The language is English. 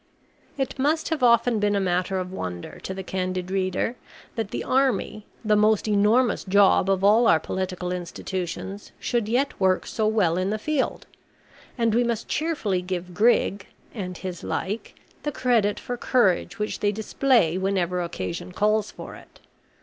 It must have often been a matter of wonder to the candid reader, that the army, the most enormous job of all our political institutions, should yet work so well in the field; and we must cheerfully give Grig, and his like, the credit for courage which they display whenever occasion calls for it.